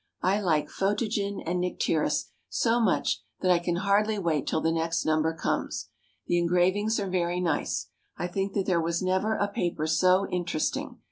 I like "Photogen and Nycteris" so much that I can hardly wait till the next number comes. The engravings are very nice. I think that there was never a paper so interesting.